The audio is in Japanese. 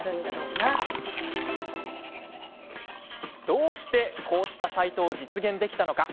どうして、このようなサイトを実現できたのか？